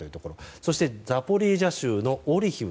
そしてザポリージャ州のオリヒウ。